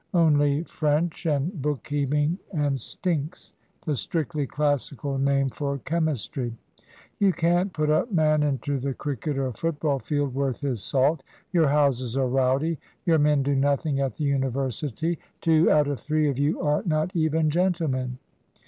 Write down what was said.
Only French, and book keeping and `stinks'" (the strictly Classical nickname for chemistry). "You can't put a man into the cricket or football field worth his salt; your houses are rowdy; your men do nothing at the University; two out of three of you are not even gentlemen."